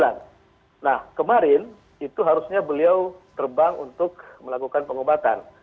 nah kemarin itu harusnya beliau terbang untuk melakukan pengobatan